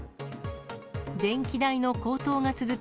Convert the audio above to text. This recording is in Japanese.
電気代の高騰が続く